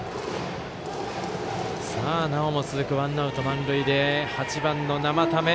なおも続くワンアウト満塁で８番の生田目。